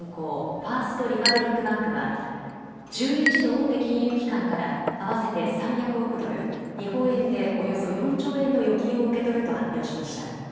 ファースト・リパブリック・バンクは１１の大手金融機関から合わせて３００億ドル、日本円でおよそ４兆円の預金を受け取ると発表しました。